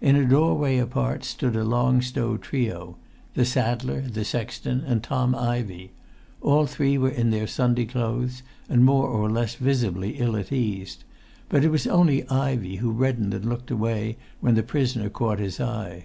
In a doorway apart stood a Long Stow trio—the saddler, the sexton, and Tom Ivey; all three were in their Sunday clothes, and more or less visibly ill at ease; but it was only Ivey who reddened and looked away when the prisoner caught his eye.